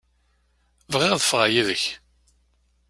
Bɣiɣ ad ffɣeɣ yid-k.